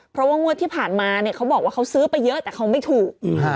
เพราะว่างวดที่ผ่านมาเนี่ยเขาบอกว่าเขาซื้อไปเยอะแต่เขาไม่ถูก